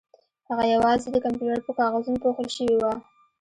هغه یوازې د کمپیوټر په کاغذونو پوښل شوې وه